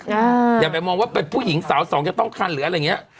อย่าไปมองว่าเป็นผู้หญิงสาวสองจะต้องคันหรืออะไรอย่างเงี้ย